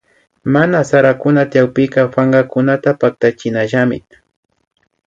Mana sarakuna tyakpika pankakunata patachinallami